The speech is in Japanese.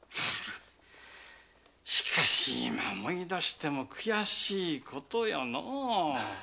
しかし今思い出しても悔しいことよのう。